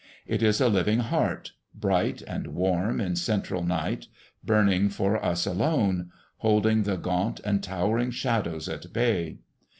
It is a living heart, bright and warm in central night, burning for us alone, holding the gaunt and towering shadows at bay.